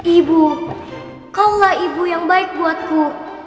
ibu kau lah ibu yang baik buatku